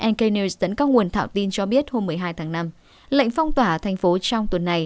nqt dẫn các nguồn thạo tin cho biết hôm một mươi hai tháng năm lệnh phong tỏa thành phố trong tuần này